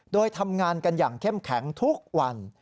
โดยทำงานกันอย่างเข้มแข็งทุกวัน